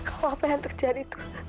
kalau apa yang terjadi itu